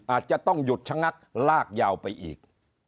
อาจจะต้องหยุดชะงักลากยาวไปอีก